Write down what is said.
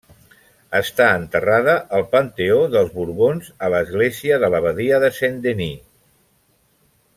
Està enterrada al panteó dels Borbons a l'església de l'abadia de Saint-Denis.